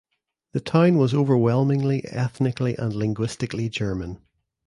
The town was overwhelmingly ethnically and linguistically German.